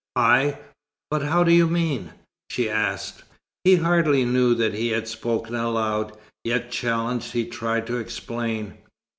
"I? But how do you mean?" she asked. He hardly knew that he had spoken aloud; yet challenged, he tried to explain.